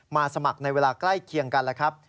สมัครในเวลาใกล้เคียงกันแล้วครับ